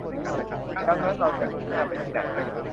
ดังนั้นเราจะมุ่งหน้าไปที่ไหน